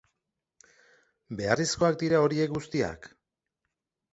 Beharrezkoak dira horiek guztiak.